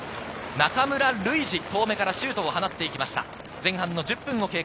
中村ルイジ、遠目からシュートを放っていきました。